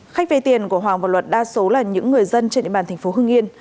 khách vay tiền của hoàng và luật đa số là những người dân trên địa bàn thành phố hưng yên